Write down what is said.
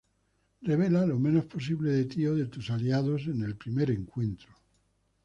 Revela lo menos posible de ti o de tus aliados en el primer encuentro.